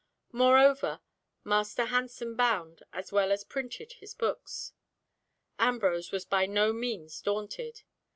Moreover, Master Hansen bound, as well as printed his books. Ambrose was by no means daunted.